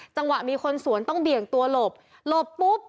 จังหวะมีคนสวนต้องเบี่ยงตัวหลบหลบปุ๊บ